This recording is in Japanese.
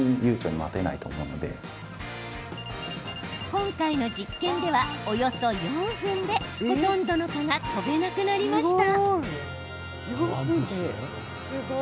今回の実験ではおよそ４分で、ほとんどの蚊が飛べなくなりました。